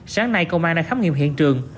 sáng nay công an đã khám nghiệm hiện trường